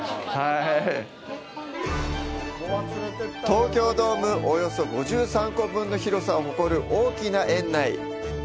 東京ドームおよそ５３個分の広さを誇る大きな園内。